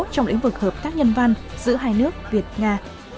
trong lĩnh vực hợp tác nhân văn giữa hai nước việt nga